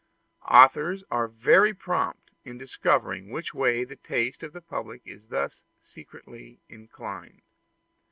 Authors are very prompt in discovering which way the taste of the public is thus secretly inclined.